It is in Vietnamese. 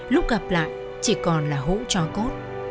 lúc gặp lại chỉ còn là hũ cho cốt